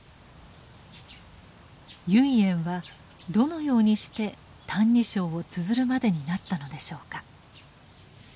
唯円はどのようにして「歎異抄」をつづるまでになったのでしょうか。